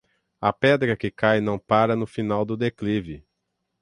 A pedra que cai não pára no final do declive.